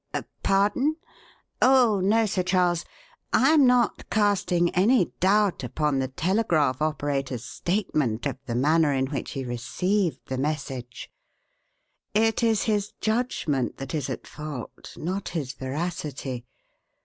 Pardon? Oh, no, Sir Charles, I am not casting any doubt upon the telegraph operator's statement of the manner in which he received the message; it is his judgment that is at fault, not his veracity.